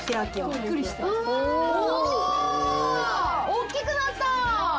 おっきくなった！